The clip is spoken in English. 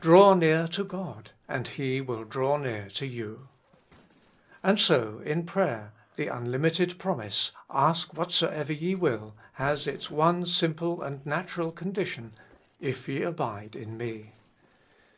Draw near to God, and He will draw near to you." And so in prayer the unlimited promise, Ask whatsoever ye will, has its one shnple and nat ural condition, if ye abide in me.